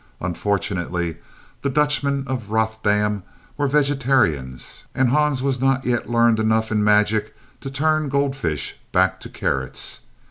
Unfortunately, the Dutchmen of Rothdam were vegetarians, and Hans was not yet learned enough in magic to turn goldfish back to carrots.